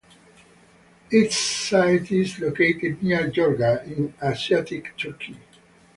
Its site is located near Yorga in Asiatic Turkey.